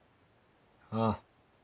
ああ。